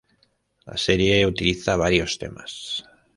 La serie utiliza varios temas.